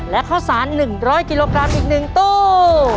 และข้าวสาร๑๐๐กิโลกรัมอีก๑ตู้